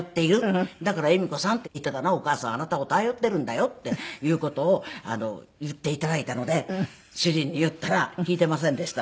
だから「恵美子さん」って言っていたのはお義母さんはあなたを頼っているんだよっていう事を言って頂いたので主人に言ったら聞いていませんでした。